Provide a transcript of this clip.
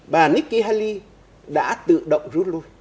bà nikki haley đã tự động rút lui